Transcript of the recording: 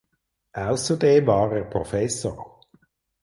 Außerdem war er Professor.